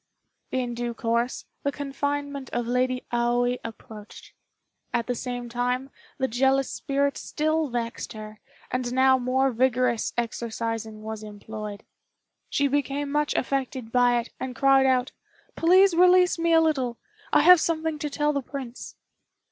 In due course, the confinement of Lady Aoi approached. At the same time, the jealous spirit still vexed her, and now more vigorous exorcising was employed. She became much affected by it, and cried out, "Please release me a little; I have something to tell the Prince."